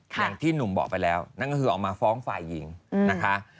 อย่างที่หนุ่มบอกไปแล้วนั่นก็คือออกมาฟ้องฝ่ายหญิงนะคะ